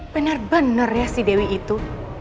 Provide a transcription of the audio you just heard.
bener bener ya si dewi itu